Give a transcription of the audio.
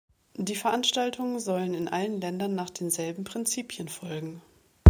Der Veranstaltungen sollen in allen Ländern nach denselben Prinzipien folgen.